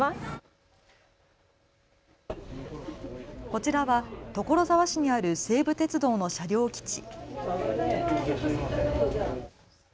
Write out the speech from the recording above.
こちらは所沢市にある西武鉄道の車両基地。